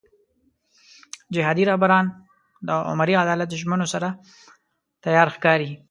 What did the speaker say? جهادي رهبران د عمري عدالت ژمنو سره تیار ښکاري.